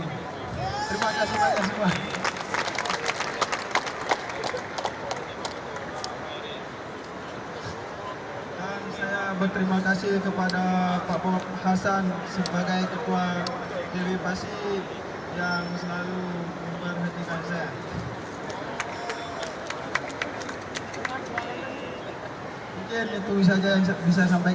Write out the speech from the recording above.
assalamualaikum wr wb